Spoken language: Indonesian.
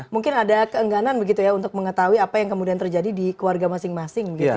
mungkin ada keengganan begitu ya untuk mengetahui apa yang kemudian terjadi di keluarga masing masing gitu ya